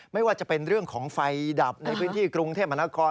ไม่ว่าจะเป็นเรื่องของไฟดับในพื้นที่กรุงเทพมนาคม